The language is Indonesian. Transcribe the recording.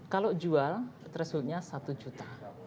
kalau jual thresholdnya satu juta